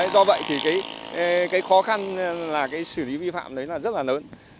do vậy thì khó khăn xử lý vi phạm rất là lớn